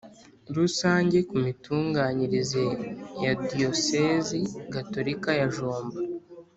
Rusange ku mitunganyirize ya Diyosezi Gatolika ya jomba